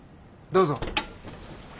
どうぞ。